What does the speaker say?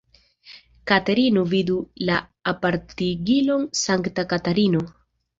Katerino vidu la apartigilon Sankta Katarino.